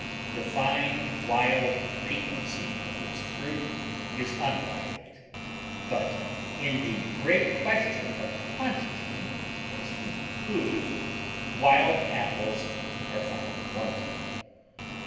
The fine wild piquancy of its fruit is unrivaled, but in the great question of quantity as human food wild apples are found wanting.